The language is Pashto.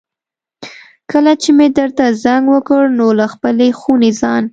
کله مې درته زنګ وکړ نو له خپلې خونې ځان.